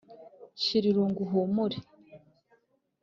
shira irungu uhumure